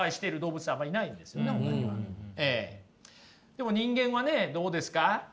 でも人間はねどうですか？